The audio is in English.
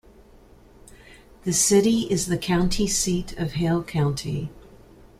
The city is the county seat of Hale County.